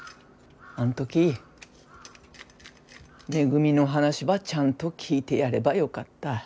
あん時めぐみの話ばちゃんと聞いてやればよかった。